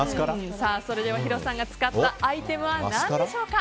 それではヒロさんが使ったアイテムは何でしょうか。